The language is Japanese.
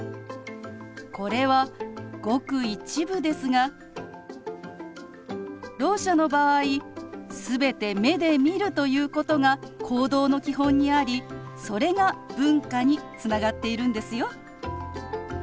これはごく一部ですがろう者の場合全て目で見るということが行動の基本にありそれが文化につながっているんですよ。